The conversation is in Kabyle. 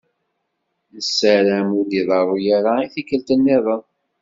Nessaram ur d-iḍeṛṛu ara i tikkelt-nniḍen.